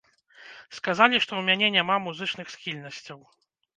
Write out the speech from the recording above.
Сказалі, што ў мяне няма музычных схільнасцяў.